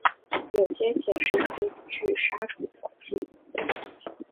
有些显示出具杀虫活性。